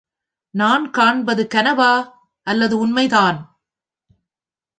நான் காண்பது கனவா, அல்லது உண்மைதான்?